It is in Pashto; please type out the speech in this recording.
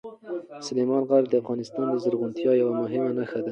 سلیمان غر د افغانستان د زرغونتیا یوه مهمه نښه ده.